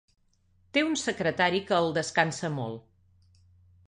Té un secretari que el descansa molt.